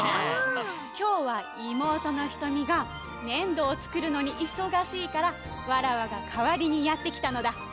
きょうはいもうとのひとみがねんどをつくるのにいそがしいからわらわがかわりにやってきたのだ。